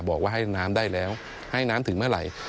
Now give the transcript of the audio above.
บอกว่าให้น้ำได้แล้วให้น้ำถึงเมื่อไหร่